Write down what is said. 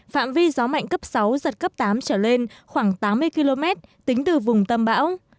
phạm vi gió mạnh cấp sáu giật cấp tám trở lên khoảng tám mươi km tính từ vùng tâm bão